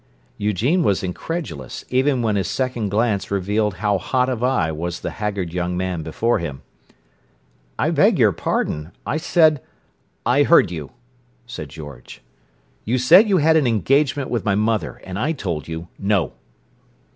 Eugene was incredulous, even when his second glance revealed how hot of eye was the haggard young man before him. "I beg your pardon. I said—" "I heard you," said George. "You said you had an engagement with my mother, and I told you, No!"